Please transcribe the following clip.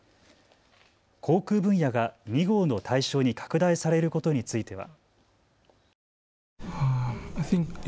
航空分野が２号の対象に拡大されることについては。